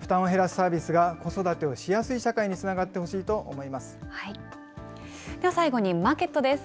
負担を減らすサービスが子育てをしやすい社会につながってほしいでは最後にマーケットです。